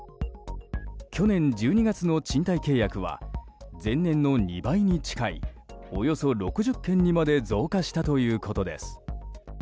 去年１２月の賃貸契約は前年の２倍に近いおよそ６０件にまで増加したということです。